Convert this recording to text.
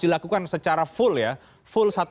dilakukan secara full ya full